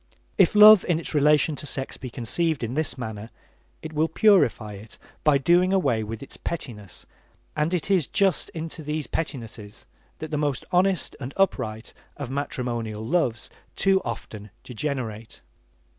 If love in its relation to sex be conceived in this manner, it will purify it by doing away with its pettinesses and it is just into these pettinesses that the most honest and upright of matrimonial loves too often degenerate.